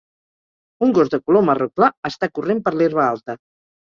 Un gos de color marró clar està corrent per l'herba alta.